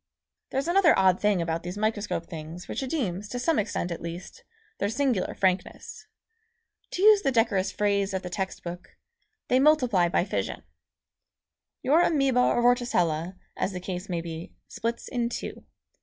There's another odd thing about these microscope things which redeems, to some extent at least, their singular frankness. To use the decorous phrase of the text book, "They multiply by fission." Your amoeba or vorticella, as the case may be, splits in two.